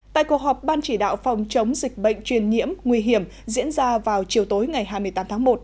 tại cuộc họp ban chỉ đạo phòng chống dịch bệnh truyền nhiễm nguy hiểm diễn ra vào chiều tối ngày hai mươi tám tháng một